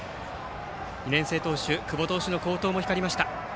２年生投手の久保投手の好投も光りました。